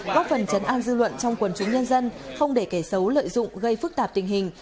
góp phần chấn an dư luận trong quần chúng nhân dân không để kẻ xấu lợi dụng gây phức tạp tình hình